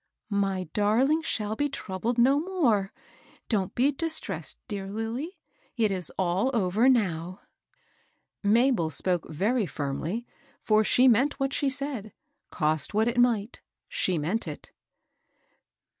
" My darling shall be troubled no more. Don't be distressed, dear Lilly ; it is all over now." Mabel spoke very firmly, for she meant what she said, — cost what it might, she meant it.